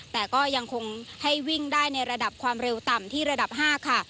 แต่ก็ยังคงให้วิ่งได้ในระดับความเร็วต่ำที่ระดับ๕ค่ะ